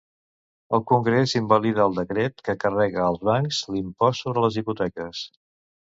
El Congrés invalida el decret que carrega als bancs l'impost sobre les hipoteques.